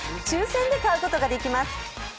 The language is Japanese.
抽選で買うことができます。